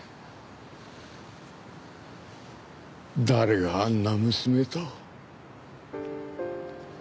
誰があんな娘と。